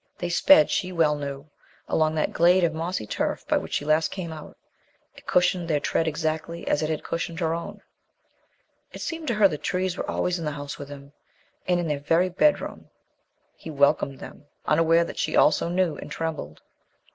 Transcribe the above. They sped, she well knew, along that glade of mossy turf by which she last came out; it cushioned their tread exactly as it had cushioned her own. It seemed to her the trees were always in the house with him, and in their very bedroom. He welcomed them, unaware that she also knew, and trembled.